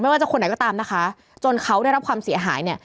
ว่าจะคนไหนก็ตามนะคะจนเขาได้รับความเสียหายเนี่ย